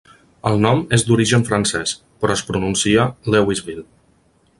El nom és d'origen francès, però es pronuncia "Lewis-ville".